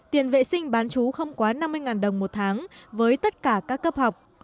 tiền vệ sinh bán chú không quá năm mươi đồng một tháng với tất cả các cấp học